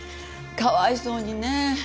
かわいそうにね。